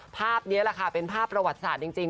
ภาพนี้แหละค่ะเป็นภาพประวัติศาสตร์จริง